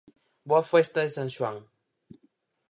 Boa festa de San Xoán!